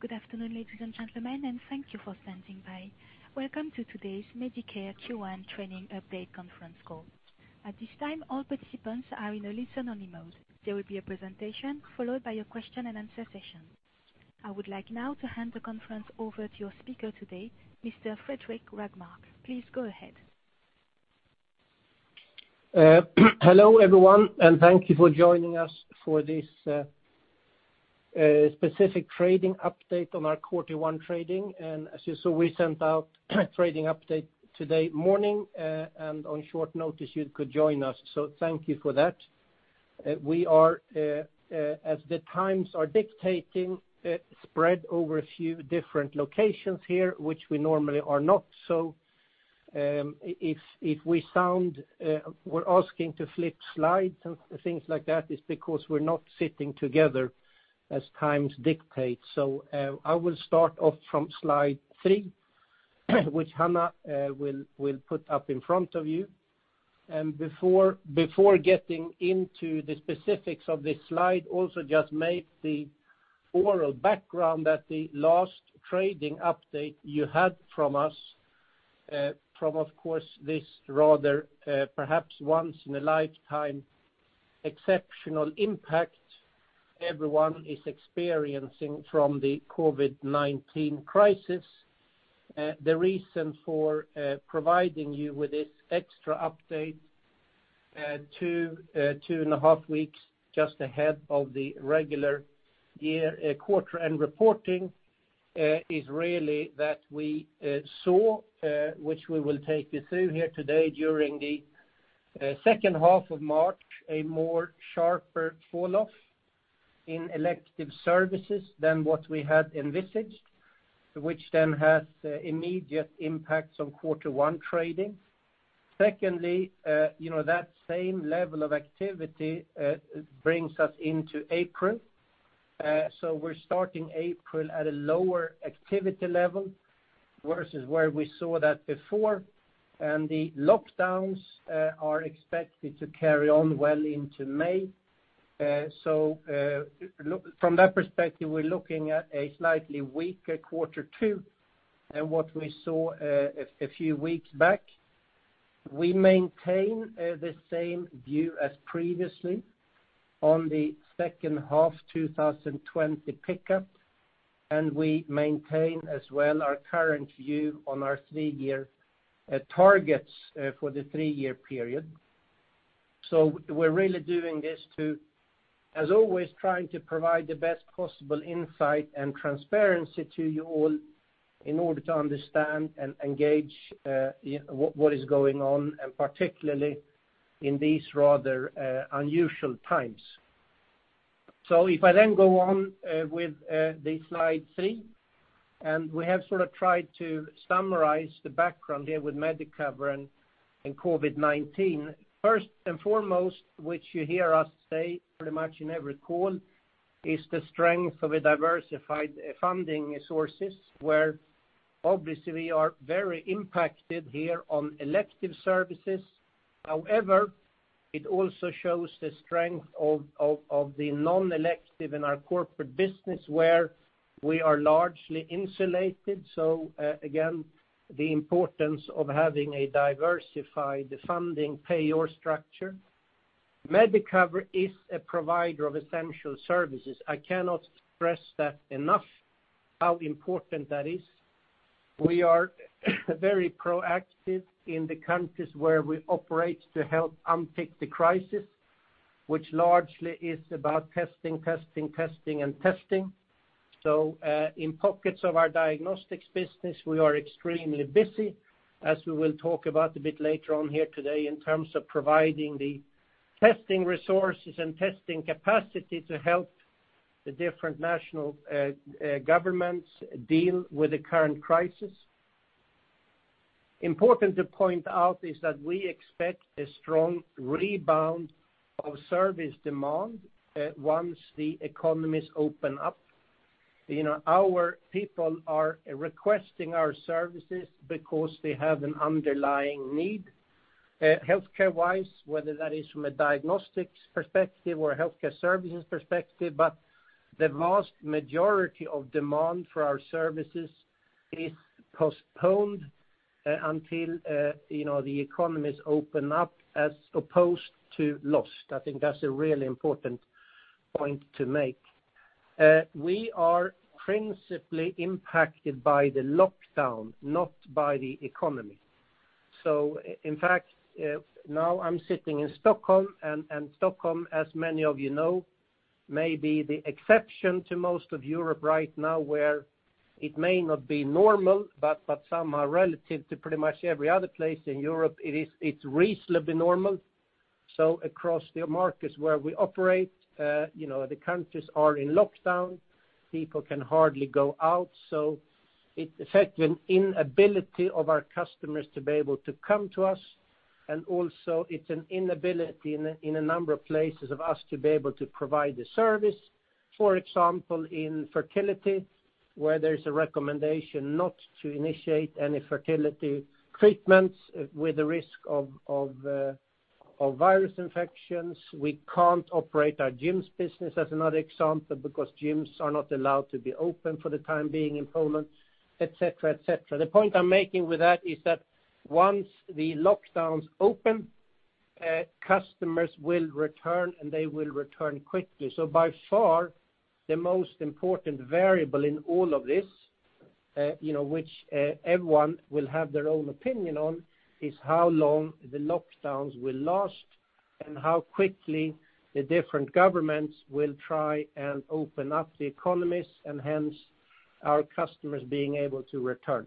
Good afternoon, ladies and gentlemen, and thank you for standing by. Welcome to today's Medicover Q1 Trading Update Conference Call. At this time, all participants are in a listen-only mode. There will be a presentation followed by a question-and-answer session. I would like now to hand the conference over to your speaker today, Mr. Fredrik Rågmark. Please go ahead. Hello, everyone, and thank you for joining us for this specific trading update on our Quarter One trading, and as you saw, we sent out a trading update this morning, and on short notice you could join us, so thank you for that. We are, as the times are dictating, spread over a few different locations here, which we normally are not, so if we sound like we're asking to flip slides and things like that, it's because we're not sitting together as times dictate, so I will start off from slide three, which Hanna will put up in front of you, and before getting into the specifics of this slide, also just make the overall background that the last trading update you had from us, from, of course, this rather perhaps once-in-a-lifetime exceptional impact everyone is experiencing from the COVID-19 crisis. The reason for providing you with this extra update two and a half weeks just ahead of the regular quarter-end reporting is really that we saw, which we will take you through here today during the second half of March, a more sharper fall-off in elective services than what we had envisaged, which then has immediate impacts on Quarter One trading. Secondly, that same level of activity brings us into April, so we're starting April at a lower activity level versus where we saw that before, and the lockdowns are expected to carry on well into May, so from that perspective, we're looking at a slightly weaker Quarter Two than what we saw a few weeks back. We maintain the same view as previously on the second half 2020 pickup, and we maintain as well our current view on our three-year targets for the three-year period. So we're really doing this to, as always, trying to provide the best possible insight and transparency to you all in order to understand and engage what is going on, and particularly in these rather unusual times. So if I then go on with the slide three, and we have sort of tried to summarize the background here with Medicover and COVID-19. First and foremost, which you hear us say pretty much in every call, is the strength of the diversified funding sources, where obviously we are very impacted here on elective services. However, it also shows the strength of the non-elective in our corporate business, where we are largely insulated. So again, the importance of having a diversified funding payor structure. Medicover is a provider of essential services. I cannot stress that enough, how important that is. We are very proactive in the countries where we operate to help unpick the crisis, which largely is about testing, testing, testing, and testing. So in pockets of our diagnostics business, we are extremely busy, as we will talk about a bit later on here today, in terms of providing the testing resources and testing capacity to help the different national governments deal with the current crisis. Important to point out is that we expect a strong rebound of service demand once the economies open up. Our people are requesting our services because they have an underlying need, healthcare-wise, whether that is from a diagnostics perspective or a healthcare services perspective. But the vast majority of demand for our services is postponed until the economies open up as opposed to lost. I think that's a really important point to make. We are principally impacted by the lockdown, not by the economy. So in fact, now I'm sitting in Stockholm, and Stockholm, as many of you know, may be the exception to most of Europe right now, where it may not be normal, but somehow relative to pretty much every other place in Europe, it's reasonably normal. So across the markets where we operate, the countries are in lockdown. People can hardly go out. So it affects the inability of our customers to be able to come to us. And also, it's an inability in a number of places of us to be able to provide the service. For example, in fertility, where there's a recommendation not to initiate any fertility treatments with a risk of virus infections. We can't operate our gyms business, as another example, because gyms are not allowed to be open for the time being in Poland, etc., etc. The point I'm making with that is that once the lockdowns open, customers will return, and they will return quickly. So by far, the most important variable in all of this, which everyone will have their own opinion on, is how long the lockdowns will last and how quickly the different governments will try and open up the economies, and hence our customers being able to return.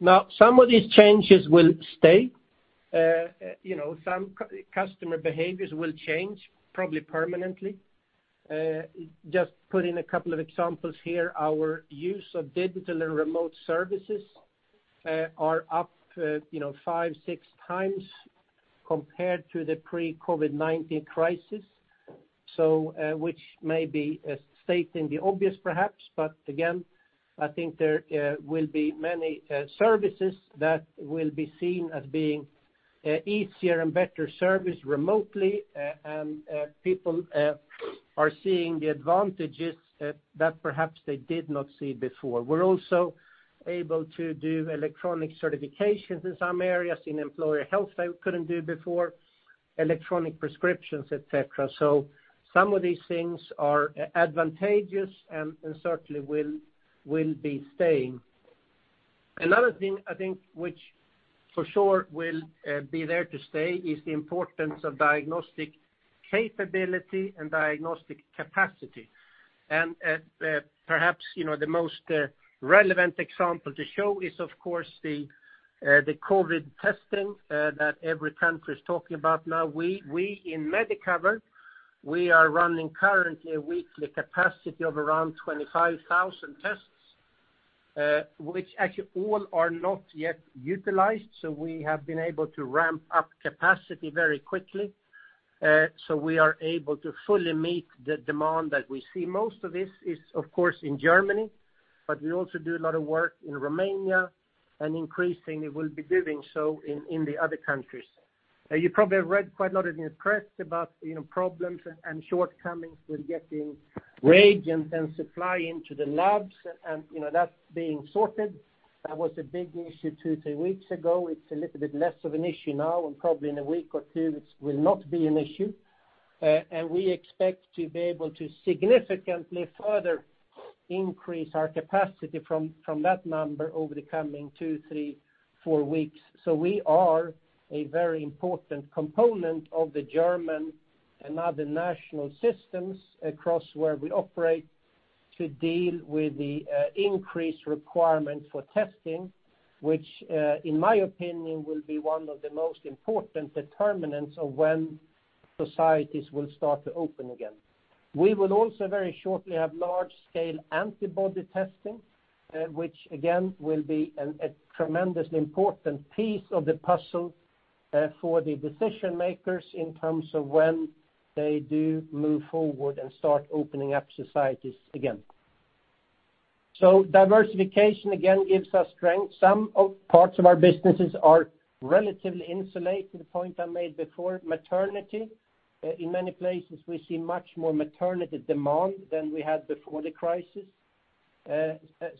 Now, some of these changes will stay. Some customer behaviors will change, probably permanently. Just putting a couple of examples here, our use of digital and remote services are up five, six times compared to the pre-COVID-19 crisis, which may be stating the obvious, perhaps. But again, I think there will be many services that will be seen as being easier and better serviced remotely, and people are seeing the advantages that perhaps they did not see before. We're also able to do electronic certifications in some areas, in employer health that we couldn't do before, electronic prescriptions, etc. So some of these things are advantageous and certainly will be staying. Another thing I think which for sure will be there to stay is the importance of diagnostic capability and diagnostic capacity. And perhaps the most relevant example to show is, of course, the COVID testing that every country is talking about now. We in Medicover, we are running currently a weekly capacity of around 25,000 tests, which actually all are not yet utilized. So we have been able to ramp up capacity very quickly. So we are able to fully meet the demand that we see. Most of this is, of course, in Germany, but we also do a lot of work in Romania, and increasingly will be doing so in the other countries. You probably have read quite a lot in the press about problems and shortcomings with getting reagents and supplies into the labs and that being sorted. That was a big issue two, three weeks ago. It's a little bit less of an issue now, and probably in a week or two, it will not be an issue. And we expect to be able to significantly further increase our capacity from that number over the coming two, three, four weeks. We are a very important component of the German and other national systems across where we operate to deal with the increased requirement for testing, which, in my opinion, will be one of the most important determinants of when societies will start to open again. We will also very shortly have large-scale antibody testing, which again will be a tremendously important piece of the puzzle for the decision-makers in terms of when they do move forward and start opening up societies again. Diversification again gives us strength. Some parts of our businesses are relatively insulated, the point I made before. Maternity, in many places, we see much more maternity demand than we had before the crisis.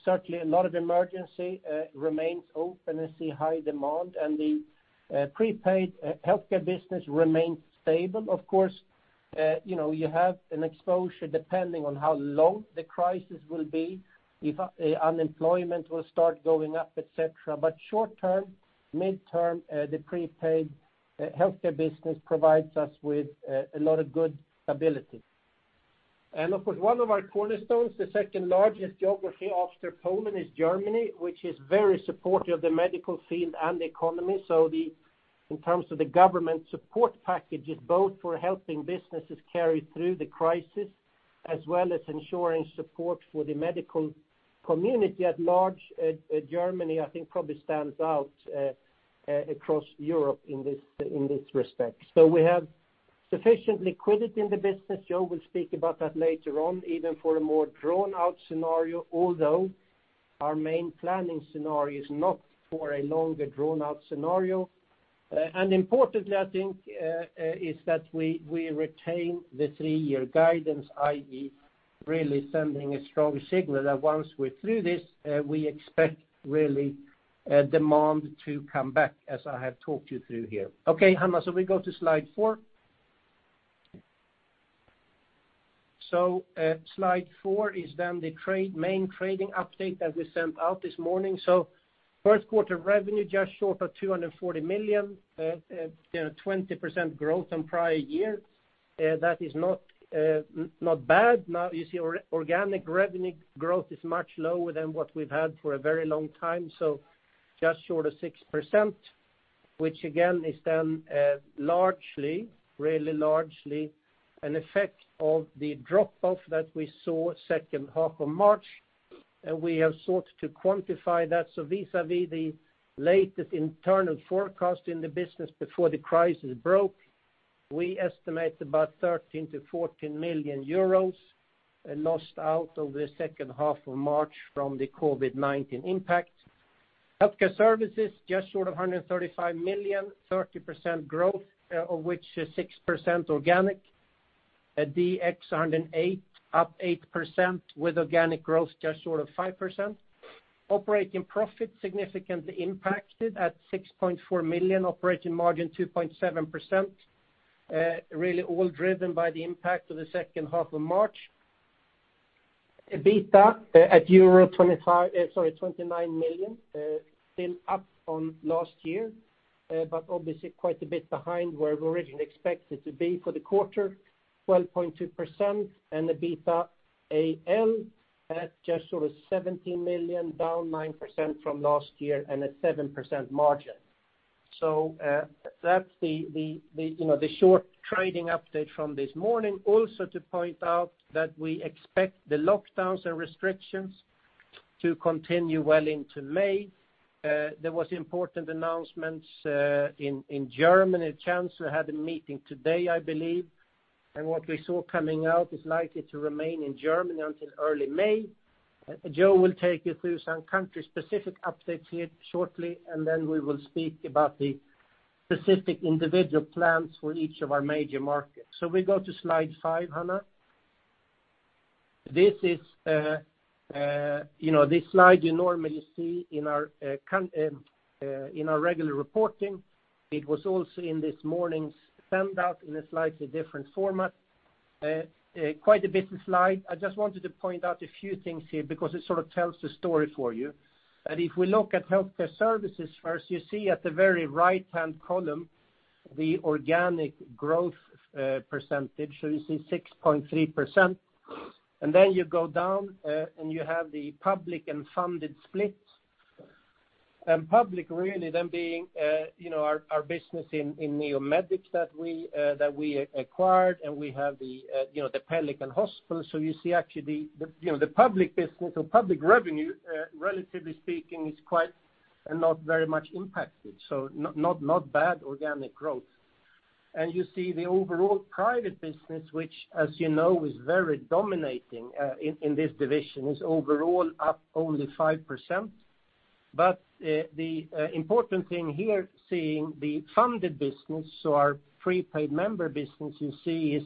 Certainly, a lot of emergency remains open and see high demand, and the prepaid healthcare business remains stable. Of course, you have an exposure depending on how long the crisis will be, if unemployment will start going up, etc. But short term, midterm, the prepaid healthcare business provides us with a lot of good stability. And of course, one of our cornerstones, the second largest geography after Poland, is Germany, which is very supportive of the medical field and the economy. So in terms of the government support packages, both for helping businesses carry through the crisis as well as ensuring support for the medical community at large, Germany I think probably stands out across Europe in this respect. So we have sufficient liquidity in the business. Joe will speak about that later on, even for a more drawn-out scenario, although our main planning scenario is not for a longer drawn-out scenario. Importantly, I think, is that we retain the three-year guidance, i.e., really sending a strong signal that once we're through this, we expect really demand to come back, as I have talked you through here. Okay, Hanna, we go to slide four. Slide four is then the main trading update that we sent out this morning. First quarter revenue just short of 240 million, 20% growth on prior year. That is not bad. Now, you see organic revenue growth is much lower than what we've had for a very long time, so just short of 6%, which again is then largely, really largely an effect of the drop-off that we saw second half of March. And we have sought to quantify that. Vis-à-vis the latest internal forecast in the business before the crisis broke, we estimate about 13 million-14 million euros lost out of the second half of March from the COVID-19 impact. Healthcare services just short of 135 million, 30% growth, of which 6% organic. DX 108 million, up 8% with organic growth just short of 5%. Operating profit significantly impacted at 6.4 million, operating margin 2.7%, really all driven by the impact of the second half of March. EBITDA at 29 million, still up on last year, but obviously quite a bit behind where we originally expected to be for the quarter, 12.2%. EBITDA aL at just sort of 17 million, down 9% from last year and a 7% margin. That's the short trading update from this morning. Also to point out that we expect the lockdowns and restrictions to continue well into May. There were important announcements in Germany. The Chancellor had a meeting today, I believe, and what we saw coming out is likely to remain in Germany until early May. Joe will take you through some country-specific updates here shortly, and then we will speak about the specific individual plans for each of our major markets, so we go to slide five, Hanna. This is the slide you normally see in our regular reporting. It was also in this morning's send-out in a slightly different format. Quite a busy slide. I just wanted to point out a few things here because it sort of tells the story for you, and if we look at healthcare services first, you see at the very right-hand column the organic growth percentage. So you see 6.3%. And then you go down and you have the public and funded split. Public really then being our business in Neomedic that we acquired, and we have the Pelican Hospital. You see actually the public business or public revenue, relatively speaking, is quite, and not very much, impacted. Not bad organic growth. You see the overall private business, which, as you know, is very dominating in this division, is overall up only 5%. The important thing here seeing the funded business, so our prepaid member business, you see is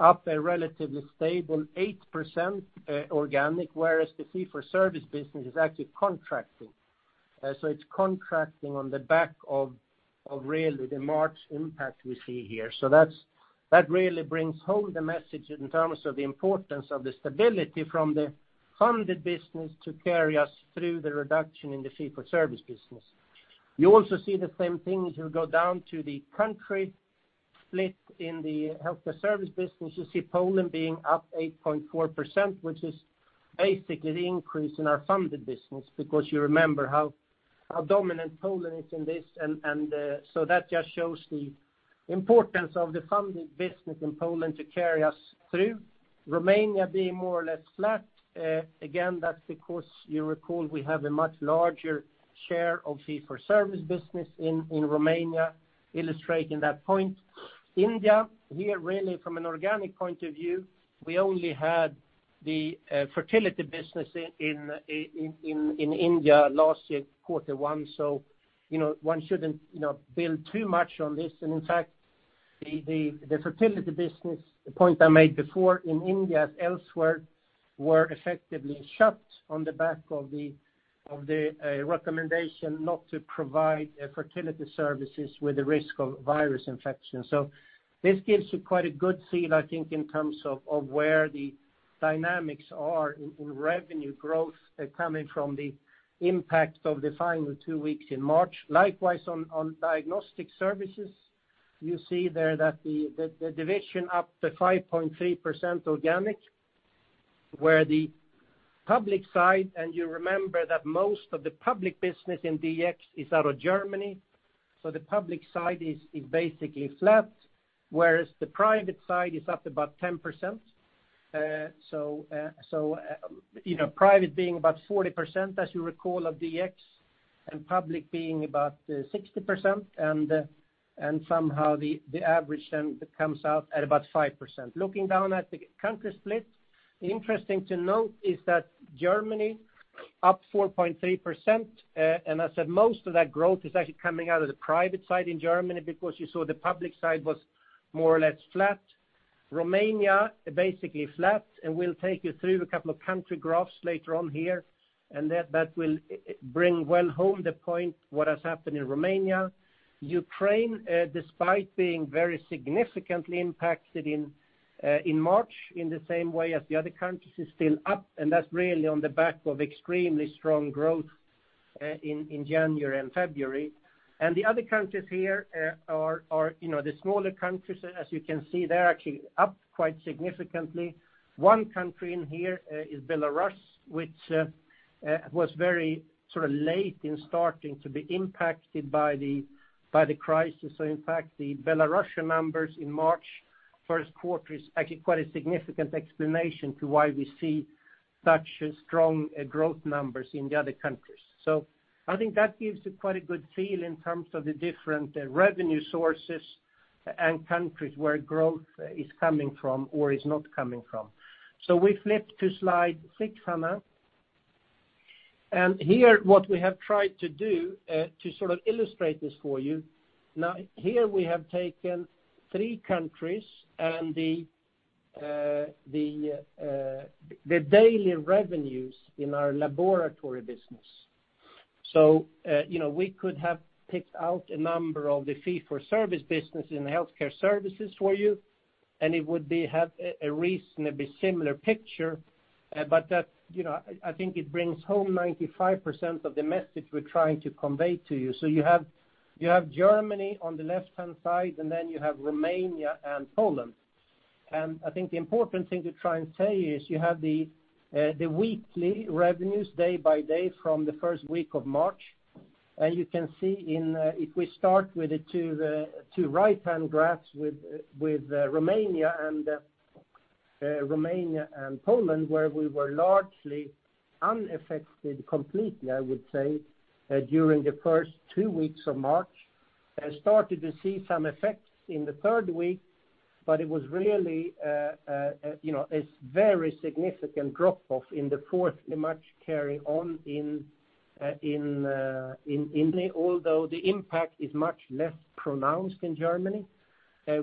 up a relatively stable 8% organic, whereas the fee-for-service business is actually contracting. It's contracting on the back of really the March impact we see here. That really brings home the message in terms of the importance of the stability from the funded business to carry us through the reduction in the fee-for-service business. You also see the same thing as you go down to the country split in the healthcare service business. You see Poland being up 8.4%, which is basically the increase in our funded business because you remember how dominant Poland is in this, and so that just shows the importance of the funded business in Poland to carry us through. Romania being more or less flat. Again, that's because you recall we have a much larger share of fee-for-service business in Romania, illustrating that point. India here, really from an organic point of view, we only had the fertility business in India last year, quarter one, so one shouldn't build too much on this, and in fact, the fertility business point I made before in India and elsewhere were effectively shut on the back of the recommendation not to provide fertility services with the risk of virus infection. So this gives you quite a good feel, I think, in terms of where the dynamics are in revenue growth coming from the impact of the final two weeks in March. Likewise, on diagnostic services, you see there that the division up to 5.3% organic, where the public side, and you remember that most of the public business in DX is out of Germany. So the public side is basically flat, whereas the private side is up about 10%. So private being about 40%, as you recall, of DX, and public being about 60%. And somehow the average then comes out at about 5%. Looking down at the country split, interesting to note is that Germany up 4.3%. And I said most of that growth is actually coming out of the private side in Germany because you saw the public side was more or less flat. Romania basically flat. And we'll take you through a couple of country graphs later on here, and that will bring well home the point what has happened in Romania. Ukraine, despite being very significantly impacted in March in the same way as the other countries, is still up. And that's really on the back of extremely strong growth in January and February. And the other countries here are the smaller countries, as you can see, they're actually up quite significantly. One country in here is Belarus, which was very sort of late in starting to be impacted by the crisis. So in fact, the Belarusian numbers in March, first quarter, is actually quite a significant explanation to why we see such strong growth numbers in the other countries. So I think that gives you quite a good feel in terms of the different revenue sources and countries where growth is coming from or is not coming from. So we flip to slide six, Hanna. And here what we have tried to do to sort of illustrate this for you. Now, here we have taken three countries and the daily revenues in our laboratory business. So we could have picked out a number of the fee-for-service businesses and healthcare services for you, and it would have a reasonably similar picture. But I think it brings home 95% of the message we're trying to convey to you. So you have Germany on the left-hand side, and then you have Romania and Poland. And I think the important thing to try and say is you have the weekly revenues day by day from the first week of March. And you can see if we start with the two right-hand graphs with Romania and Poland, where we were largely unaffected completely, I would say, during the first two weeks of March. Started to see some effects in the third week, but it was really a very significant drop-off in the fourth. In March carry on in. Although the impact is much less pronounced in Germany,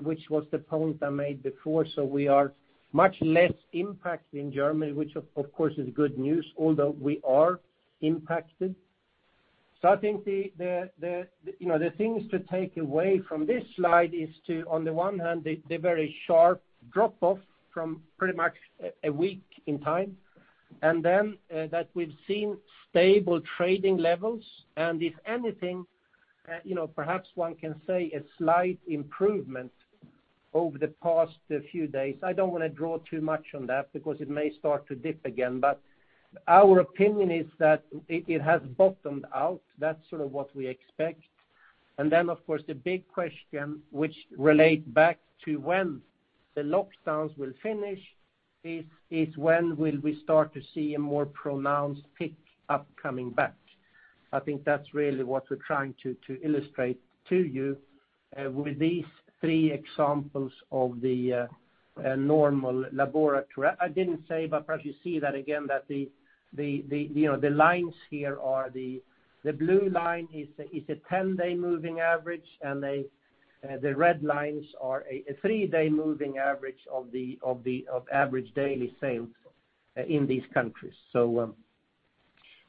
which was the point I made before. So we are much less impacted in Germany, which of course is good news, although we are impacted. So I think the things to take away from this slide is to, on the one hand, the very sharp drop-off from pretty much a week in time. And then that we've seen stable trading levels. And if anything, perhaps one can say a slight improvement over the past few days. I don't want to draw too much on that because it may start to dip again, but our opinion is that it has bottomed out. That's sort of what we expect, and then, of course, the big question, which relates back to when the lockdowns will finish, is when will we start to see a more pronounced tick up coming back? I think that's really what we're trying to illustrate to you with these three examples of the normal laboratory. I didn't say, but perhaps you see that again, that the lines here are the blue line is a 10-day moving average, and the red lines are a three-day moving average of average daily sales in these countries, so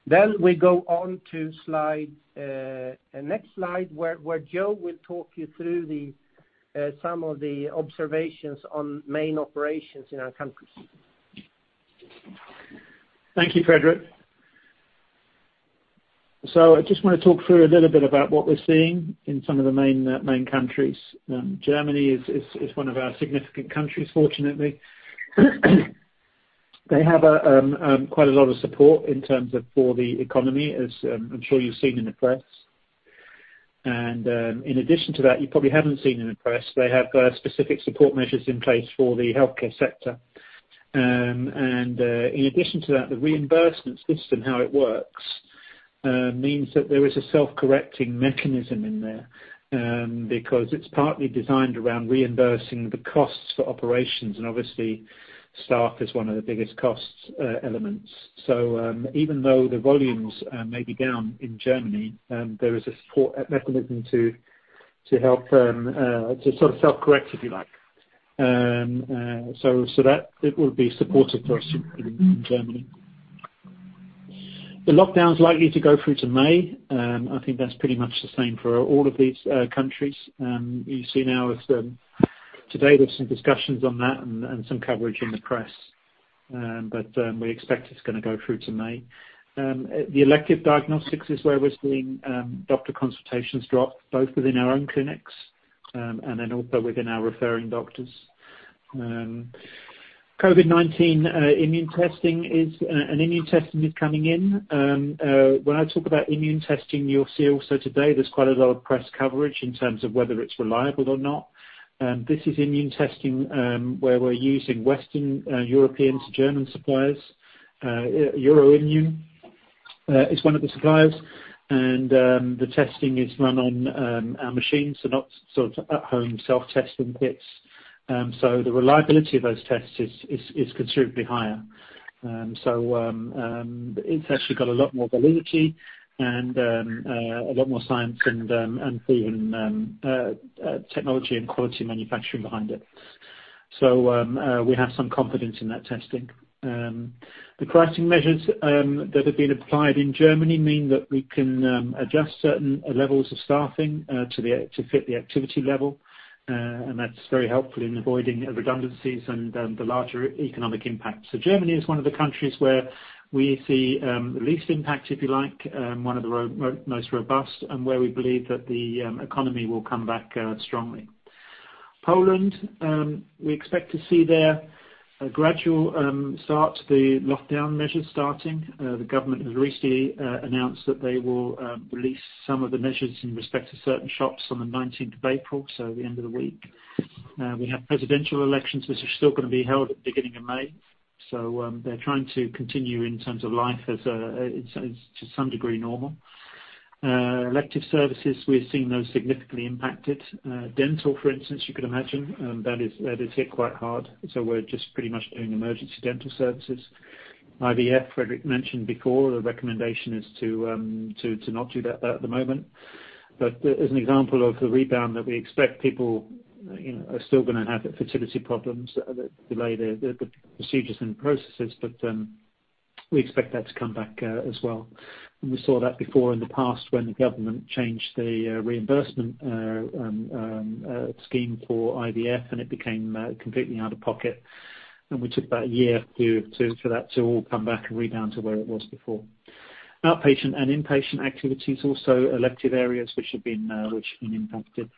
then we go on to next slide, where Joe will talk you through some of the observations on main operations in our countries. Thank you, Fredrik. I just want to talk through a little bit about what we're seeing in some of the main countries. Germany is one of our significant countries, fortunately. They have quite a lot of support in terms of for the economy, as I'm sure you've seen in the press. In addition to that, you probably haven't seen in the press. They have specific support measures in place for the healthcare sector. In addition to that, the reimbursement system, how it works, means that there is a self-correcting mechanism in there because it's partly designed around reimbursing the costs for operations. Obviously, staff is one of the biggest cost elements. Even though the volumes may be down in Germany, there is a support mechanism to help to sort of self-correct, if you like. That would be supportive for us in Germany. The lockdown is likely to go through to May. I think that's pretty much the same for all of these countries. You see now today there's some discussions on that and some coverage in the press, but we expect it's going to go through to May. The elective diagnostics is where we're seeing doctor consultations drop, both within our own clinics and then also within our referring doctors. COVID-19 immune testing is coming in. When I talk about immune testing, you'll see also today there's quite a lot of press coverage in terms of whether it's reliable or not. This is immune testing where we're using Western European and German suppliers. Euroimmun is one of the suppliers, and the testing is run on our machines, so not sort of at-home self-testing kits, so the reliability of those tests is considerably higher. It actually got a lot more validity and a lot more science and even technology and quality manufacturing behind it. So we have some confidence in that testing. The crisis measures that have been applied in Germany mean that we can adjust certain levels of staffing to fit the activity level. And that's very helpful in avoiding redundancies and the larger economic impact. So Germany is one of the countries where we see the least impact, if you like, one of the most robust, and where we believe that the economy will come back strongly. Poland, we expect to see their gradual start to the lockdown measures starting. The government has recently announced that they will release some of the measures in respect to certain shops on the 19th of April, so the end of the week. We have presidential elections, which are still going to be held at the beginning of May. So they're trying to continue in terms of life as usual to some degree normal. Elective services, we're seeing those significantly impacted. Dental, for instance, you could imagine, that is hit quite hard. So we're just pretty much doing emergency dental services. IVF, Fredrik mentioned before, the recommendation is to not do that at the moment. But as an example of the rebound that we expect, people are still going to have fertility problems that delay the procedures and processes. But we expect that to come back as well. And we saw that before in the past when the government changed the reimbursement scheme for IVF, and it became completely out of pocket. And it took about a year for that to all come back and rebound to where it was before. Outpatient and inpatient activities also, elective areas which have been impacted.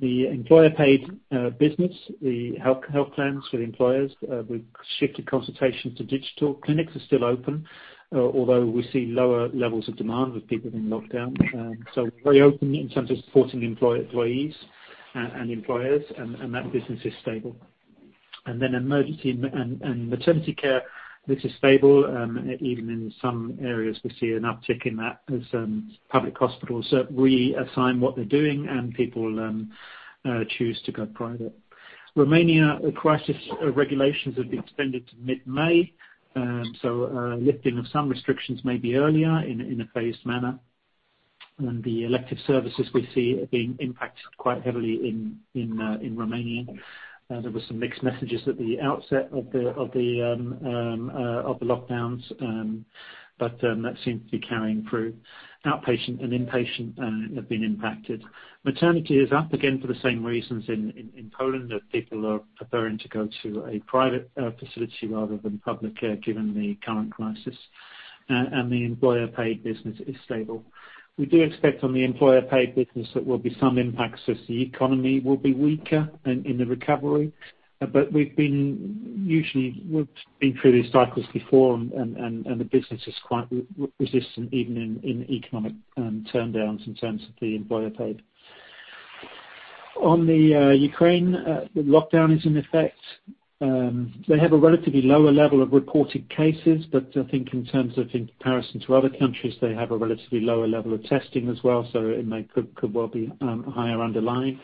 The employer-paid business, the health plans for the employers, we've shifted consultation to digital. Clinics are still open, although we see lower levels of demand with people being locked down. So we're very open in terms of supporting employees and employers, and that business is stable. And then emergency and maternity care, this is stable. Even in some areas, we see an uptick in that as public hospitals reassign what they're doing, and people choose to go private. Romania, the crisis regulations have been extended to mid-May. So lifting of some restrictions may be earlier in a phased manner. And the elective services we see are being impacted quite heavily in Romania. There were some mixed messages at the outset of the lockdowns, but that seems to be carrying through. Outpatient and inpatient have been impacted. Maternity is up again for the same reasons in Poland, that people are preferring to go to a private facility rather than public care given the current crisis. And the employer-paid business is stable. We do expect on the employer-paid business that there will be some impacts as the economy will be weaker in the recovery. But we've been usually through these cycles before, and the business is quite resistant even in economic turndowns in terms of the employer-paid. On the Ukraine, the lockdown is in effect. They have a relatively lower level of reported cases, but I think in terms of in comparison to other countries, they have a relatively lower level of testing as well. So it could well be higher underlying.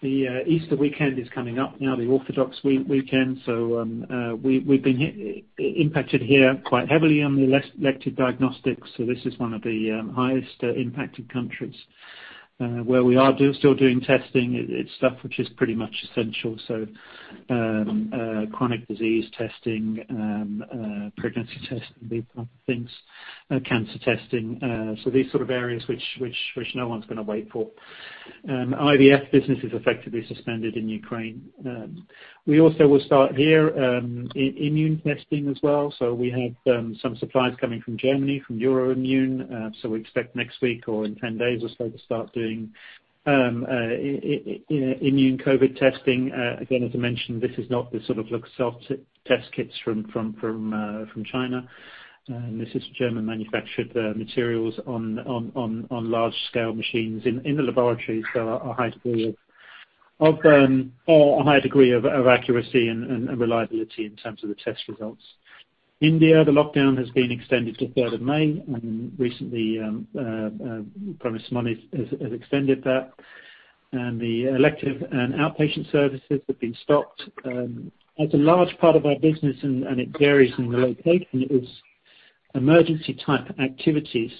The Easter weekend is coming up now, the Orthodox weekend. So we've been impacted here quite heavily on the elective diagnostics. So this is one of the highest impacted countries. Where we are still doing testing, it's stuff which is pretty much essential. So chronic disease testing, pregnancy testing will be part of things, cancer testing. So these sort of areas which no one's going to wait for. IVF business is effectively suspended in Ukraine. We also will start here immune testing as well. So we have some supplies coming from Germany, from Euroimmun. So we expect next week or in 10 days or so to start doing immune COVID testing. Again, as I mentioned, this is not the sort of self-test kits from China. This is German-manufactured materials on large-scale machines in the laboratories. So a high degree of accuracy and reliability in terms of the test results. India, the lockdown has been extended to 3rd of May, and recently, Prime Minister Modi has extended that. The elective and outpatient services have been stopped. That's a large part of our business, and it varies in the location. It was emergency-type activities.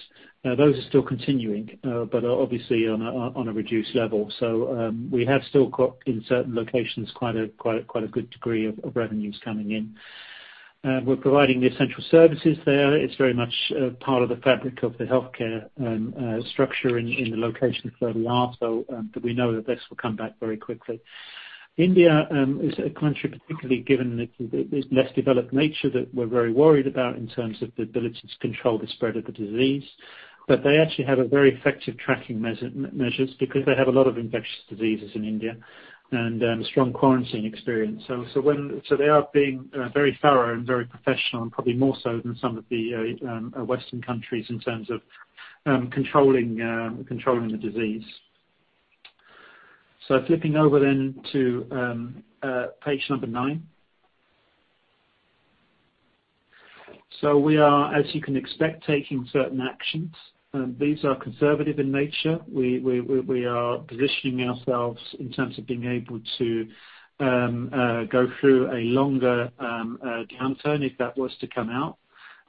Those are still continuing, but obviously on a reduced level. We have still got in certain locations quite a good degree of revenues coming in. We're providing the essential services there. It's very much part of the fabric of the healthcare structure in the locations where we are. We know that this will come back very quickly. India is a country, particularly given its less developed nature, that we're very worried about in terms of the ability to control the spread of the disease. But they actually have very effective tracking measures because they have a lot of infectious diseases in India and strong quarantine experience. So they are being very thorough and very professional, and probably more so than some of the Western countries in terms of controlling the disease. So flipping over then to page number nine. So we are, as you can expect, taking certain actions. These are conservative in nature. We are positioning ourselves in terms of being able to go through a longer downturn if that was to come out.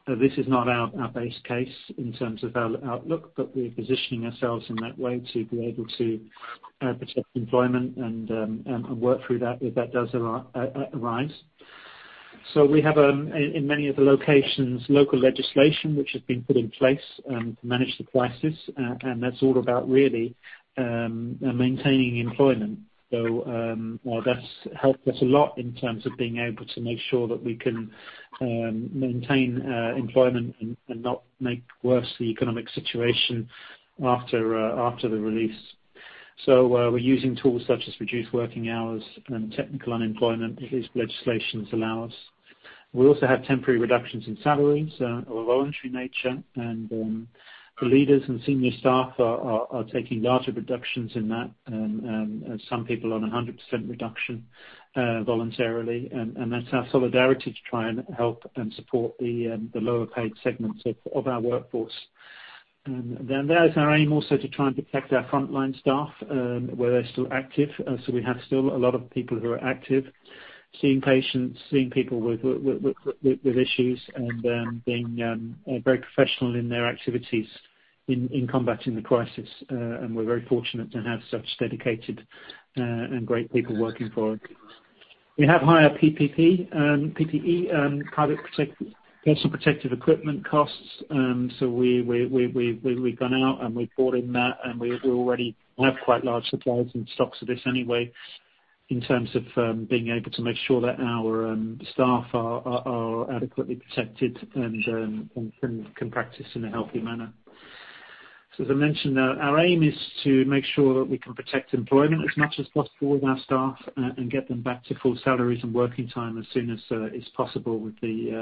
This is not our base case in terms of our outlook, but we're positioning ourselves in that way to be able to protect employment and work through that if that does arise. So we have, in many of the locations, local legislation which has been put in place to manage the crisis, and that's all about really maintaining employment. So that's helped us a lot in terms of being able to make sure that we can maintain employment and not make worse the economic situation after the release, so we're using tools such as reduced working hours and technical unemployment if legislation allows us. We also have temporary reductions in salaries of a voluntary nature, and the leaders and senior staff are taking larger reductions in that, some people on 100% reduction voluntarily, and that's our solidarity to try and help and support the lower-paid segments of our workforce, and there is our aim also to try and protect our frontline staff where they're still active, so we have still a lot of people who are active, seeing patients, seeing people with issues, and being very professional in their activities in combating the crisis, and we're very fortunate to have such dedicated and great people working for it. We have higher PPE, personal protective equipment costs. So we've gone out and we've brought in that. And we already have quite large supplies and stocks of this anyway in terms of being able to make sure that our staff are adequately protected and can practice in a healthy manner. So as I mentioned, our aim is to make sure that we can protect employment as much as possible with our staff and get them back to full salaries and working time as soon as it's possible with the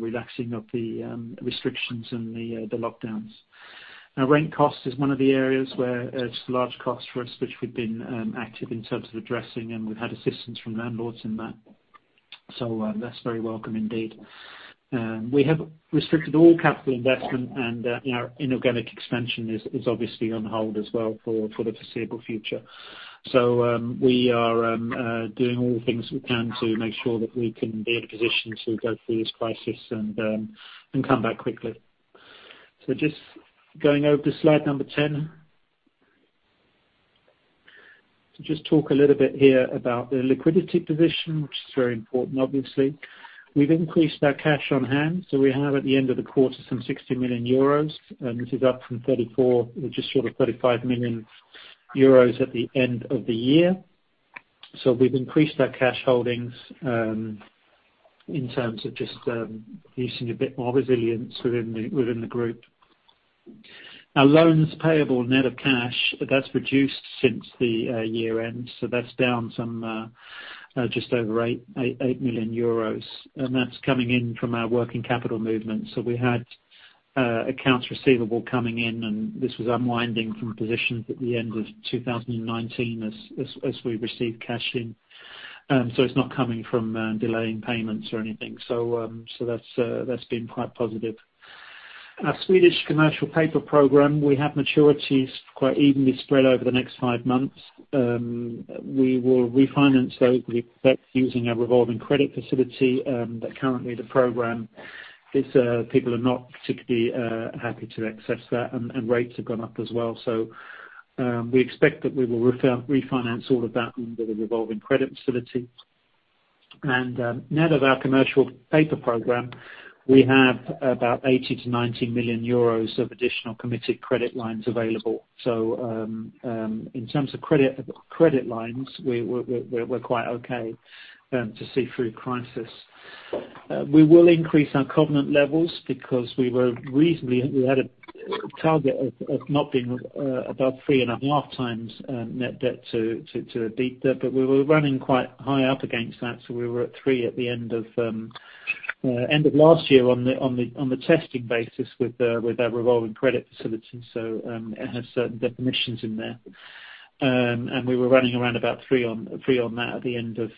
relaxing of the restrictions and the lockdowns. Rent cost is one of the areas where it's a large cost for us, which we've been active in terms of addressing. And we've had assistance from landlords in that. So that's very welcome indeed. We have restricted all capital investment. Our inorganic expansion is obviously on hold as well for the foreseeable future. So we are doing all things we can to make sure that we can be in a position to go through this crisis and come back quickly. So just going over to slide number 10. So just talk a little bit here about the liquidity position, which is very important, obviously. We've increased our cash on hand. So we have at the end of the quarter some €60 million. And this is up from €34, which is sort of €35 million at the end of the year. So we've increased our cash holdings in terms of just producing a bit more resilience within the group. Our loans payable net of cash, that's reduced since the year-end. So that's down some just over €8 million. And that's coming in from our working capital movement. So we had accounts receivable coming in. And this was unwinding from positions at the end of 2019 as we received cash in. So it's not coming from delaying payments or anything. So that's been quite positive. Our Swedish Commercial Paper Program, we have maturities quite evenly spread over the next five months. We will refinance those that we expect using our Revolving Credit Facility. But currently, the program, people are not particularly happy to access that. And rates have gone up as well. So we expect that we will refinance all of that under the Revolving Credit Facility. And net of our commercial paper program, we have about €80-€90 million of additional committed credit lines available. So in terms of credit lines, we're quite okay to see through crisis. We will increase our covenant levels because we reasonably had a target of not being above three and a half times net debt to EBITDA, but we were running quite high up against that, so we were at three at the end of last year on the testing basis with our revolving credit facility, so it has certain definitions in there, and we were running around about three on that at the end of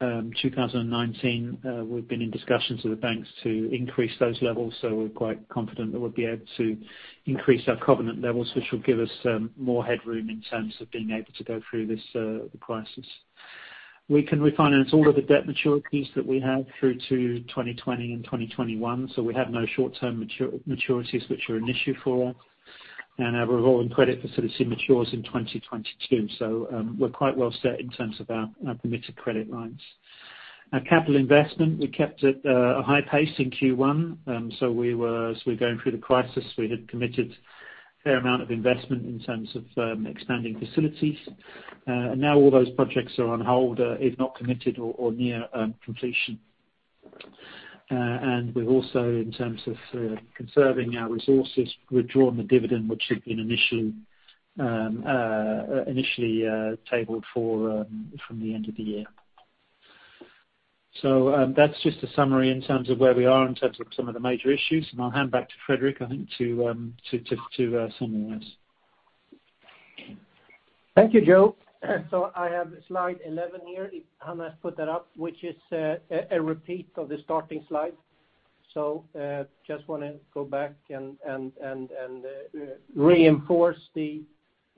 2019. We've been in discussions with the banks to increase those levels, so we're quite confident that we'll be able to increase our covenant levels, which will give us more headroom in terms of being able to go through this crisis. We can refinance all of the debt maturities that we have through to 2020 and 2021, so we have no short-term maturities which are an issue for us. And our Revolving Credit Facility matures in 2022. So we're quite well set in terms of our committed credit lines. Our capital investment, we kept at a high pace in Q1. So as we're going through the crisis, we had committed a fair amount of investment in terms of expanding facilities. And now all those projects are on hold, if not committed or near completion. And we've also, in terms of conserving our resources, withdrawn the dividend which had been initially tabled for from the end of the year. So that's just a summary in terms of where we are in terms of some of the major issues. And I'll hand back to Fredrik, I think, to summarize. Thank you, Joe. So I have Slide 11 here, if Hanna has put that up, which is a repeat of the starting slide. Just want to go back and reinforce the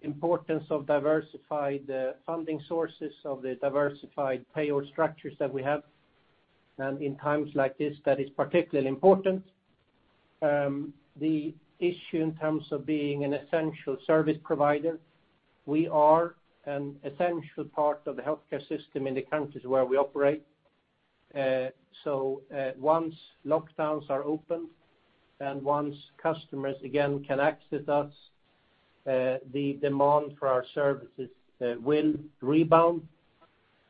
importance of diversified funding sources of the diversified payroll structures that we have. And in times like this, that is particularly important. The issue in terms of being an essential service provider, we are an essential part of the healthcare system in the countries where we operate. So once lockdowns are open and once customers again can access us, the demand for our services will rebound.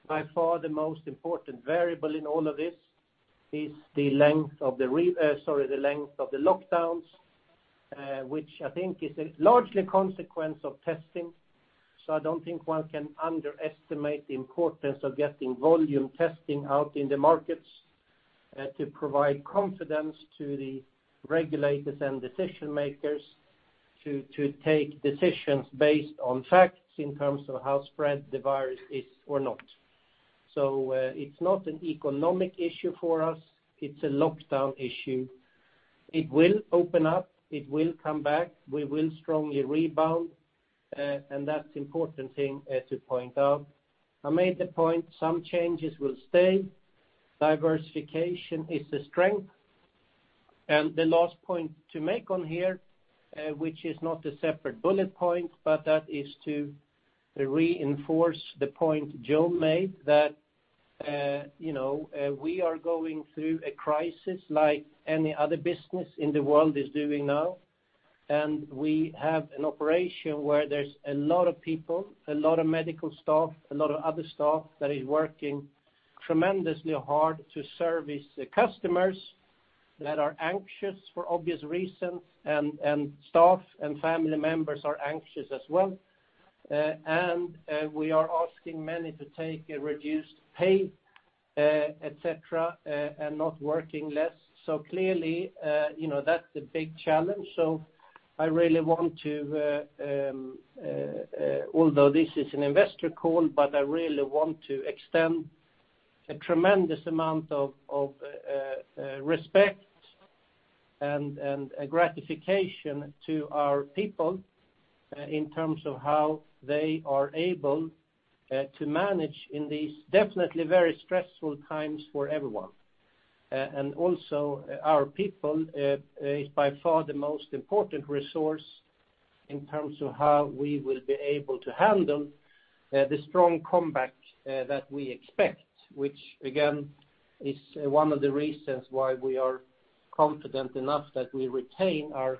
By far, the most important variable in all of this is the length of the lockdowns, which I think is largely a consequence of testing. So I don't think one can underestimate the importance of getting volume testing out in the markets to provide confidence to the regulators and decision-makers to take decisions based on facts in terms of how spread the virus is or not. So it's not an economic issue for us. It's a lockdown issue. It will open up. It will come back. We will strongly rebound. And that's an important thing to point out. I made the point some changes will stay. Diversification is a strength. And the last point to make on here, which is not a separate bullet point, but that is to reinforce the point Joe made that we are going through a crisis like any other business in the world is doing now. And we have an operation where there's a lot of people, a lot of medical staff, a lot of other staff that is working tremendously hard to service the customers that are anxious for obvious reasons. And staff and family members are anxious as well. And we are asking many to take a reduced pay, etc., and not working less. So clearly, that's a big challenge. So I really want to, although this is an investor call, but I really want to extend a tremendous amount of respect and gratification to our people in terms of how they are able to manage in these definitely very stressful times for everyone. And also, our people is by far the most important resource in terms of how we will be able to handle the strong comeback that we expect, which again is one of the reasons why we are confident enough that we retain our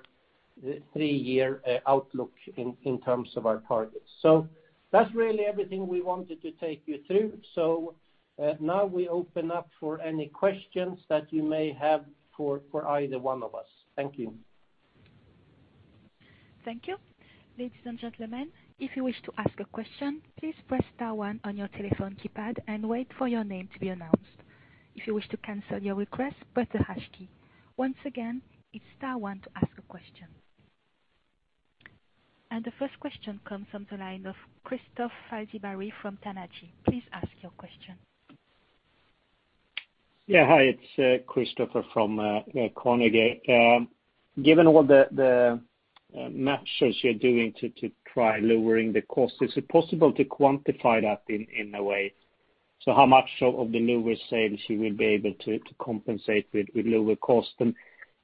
three-year outlook in terms of our targets. So that's really everything we wanted to take you through. So now we open up for any questions that you may have for either one of us. Thank you. Thank you. Ladies and gentlemen, if you wish to ask a question, please press star 1 on your telephone keypad and wait for your name to be announced. If you wish to cancel your request, press the hash key. Once again, it's star 1 to ask a question, and the first question comes from the line of Kristofer Liljeberg from Carnegie. Please ask your question. Yeah. Hi. It's Kristofer from Carnegie. Given all the measures you're doing to try lowering the cost, is it possible to quantify that in a way? So how much of the lower sales you will be able to compensate with lower cost?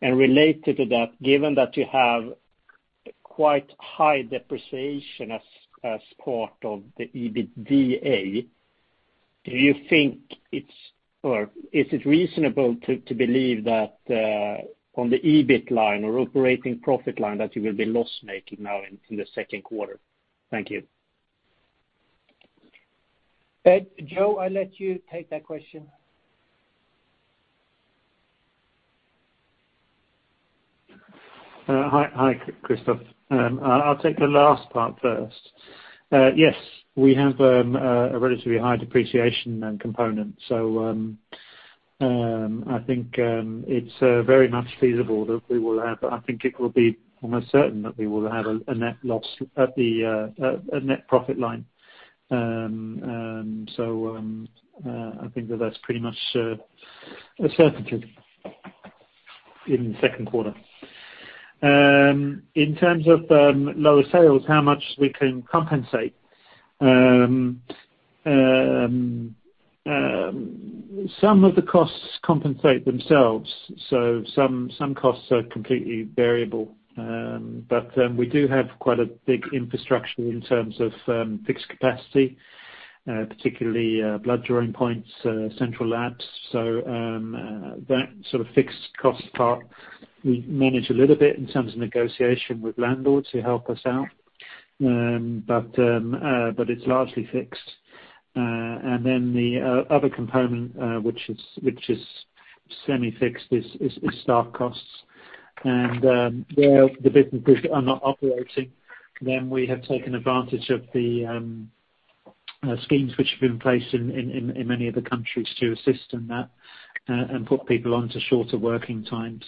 And related to that, given that you have quite high depreciation as part of the EBITDA, do you think it's or is it reasonable to believe that on the EBIT line or operating profit line that you will be loss-making now in the second quarter? Thank you. Ed, Joe, I'll let you take that question. Hi, Kristofer. I'll take the last part first. Yes, we have a relatively high depreciation component. So I think it's very much feasible that we will have. I think it will be almost certain that we will have a net loss at the net profit line. So I think that that's pretty much a certainty in the second quarter. In terms of lower sales, how much we can compensate? Some of the costs compensate themselves. So some costs are completely variable. But we do have quite a big infrastructure in terms of fixed capacity, particularly blood drawing points, central labs. So that sort of fixed cost part, we manage a little bit in terms of negotiation with landlords who help us out. But it's largely fixed. And then the other component, which is semi-fixed, is staff costs. And where the businesses are not operating, then we have taken advantage of the schemes which have been placed in many of the countries to assist in that and put people onto shorter working times.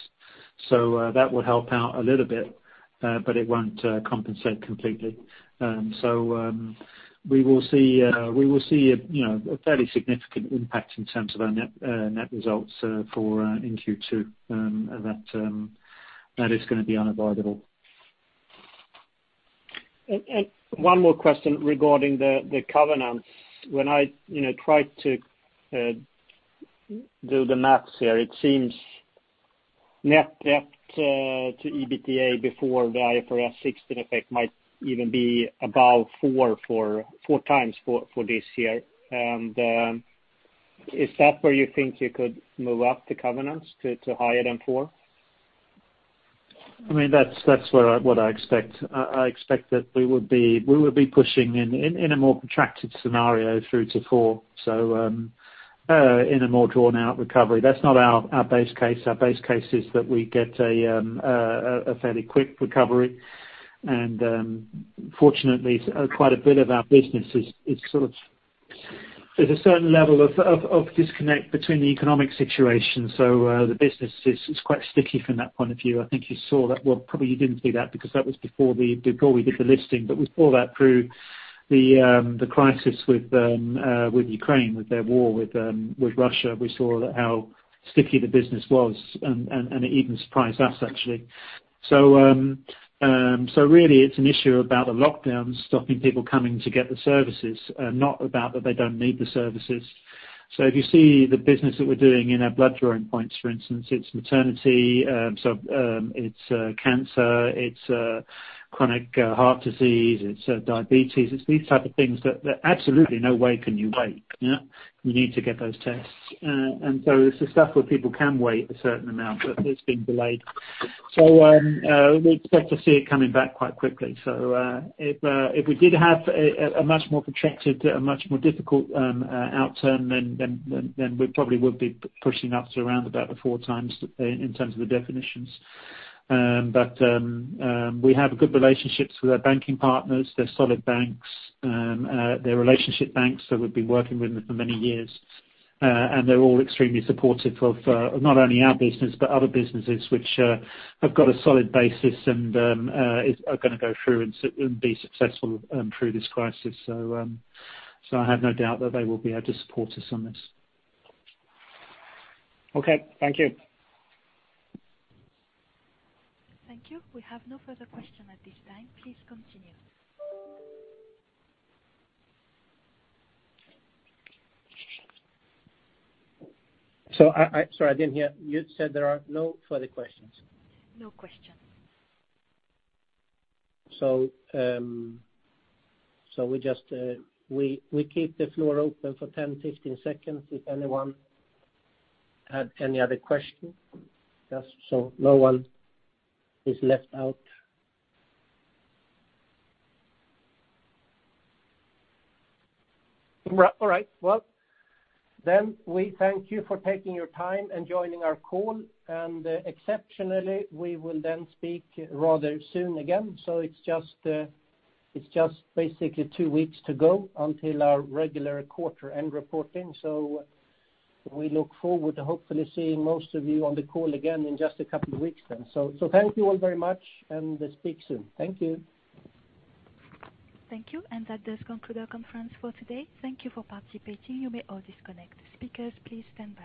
So that will help out a little bit, but it won't compensate completely. So we will see a fairly significant impact in terms of our net results in Q2. That is going to be unavoidable. And one more question regarding the covenants. When I tried to do the math here, it seems net debt to EBITDA before the IFRS 16 effect might even be about four times for this year. And is that where you think you could move up the covenants to higher than four? I mean, that's what I expect. I expect that we would be pushing in a more protracted scenario through to four, so in a more drawn-out recovery. That's not our base case. Our base case is that we get a fairly quick recovery, and fortunately, quite a bit of our business is sort of, there's a certain level of disconnect between the economic situation. So the business is quite sticky from that point of view. I think you saw that, well, probably you didn't see that because that was before we did the listing, but we saw that through the crisis with Ukraine, with their war with Russia. We saw how sticky the business was, and it even surprised us, actually, so really, it's an issue about the lockdowns stopping people coming to get the services, not about that they don't need the services. So if you see the business that we're doing in our blood drawing points, for instance, it's maternity. So it's cancer. It's chronic heart disease. It's diabetes. It's these types of things that absolutely no way can you wait. You need to get those tests. And so it's the stuff where people can wait a certain amount, but it's been delayed. So we expect to see it coming back quite quickly. So if we did have a much more protracted, a much more difficult outcome, then we probably would be pushing up to around about the four times in terms of the definitions. But we have good relationships with our banking partners. They're solid banks. They're relationship banks. So we've been working with them for many years. And they're all extremely supportive of not only our business but other businesses which have got a solid basis and are going to go through and be successful through this crisis. So I have no doubt that they will be able to support us on this. Okay. Thank you. Thank you. We have no further question at this time. Please continue. So sorry, I didn't hear. You said there are no further questions? No questions. So we keep the floor open for 10, 15 seconds if anyone had any other questions. So no one is left out. All right. Well, then we thank you for taking your time and joining our call. And exceptionally, we will then speak rather soon again. So it's just basically two weeks to go until our regular quarter end reporting. So we look forward to hopefully seeing most of you on the call again in just a couple of weeks then. So thank you all very much. And speak soon. Thank you. Thank you. And that does conclude our conference for today. Thank you for participating. You may all disconnect the speakers. Please stand by.